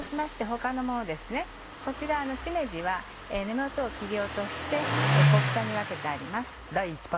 こちらしめじは根元を切り落として小房に分けてあります。